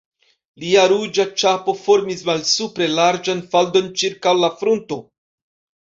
Lia ruĝa ĉapo formis malsupre larĝan faldon ĉirkaŭ la frunto.